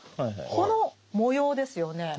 この模様ですよね。